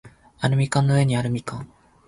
アルミ缶の上にあるみかん